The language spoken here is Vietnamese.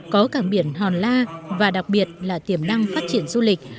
có cảng biển hòn la và đặc biệt là tiềm năng phát triển du lịch